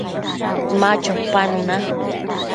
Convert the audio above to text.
Ma chopanuna